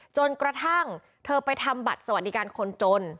จนกระทั่งเธอไปทำบัตรสวัสดิการคนจน